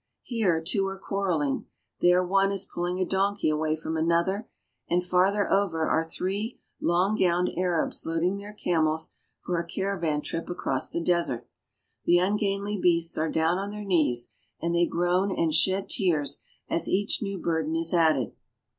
Here two are quarreling, there one is pulling a donkey away from another, and farther over are three long gowned Arabs loading their camels for a caravan trip across the desert. The ungainly beasts are down on their knees, and they groan and shed tears as each new burden is added.